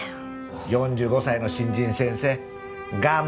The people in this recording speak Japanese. ４５歳の新人先生ガンバ！